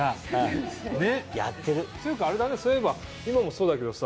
ていうかあれだねそういえば今もそうだけどさ。